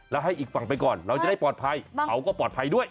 แล้วให้อีกฝั่งไปก่อนเราจะได้ปลอดภัยเขาก็ปลอดภัยด้วย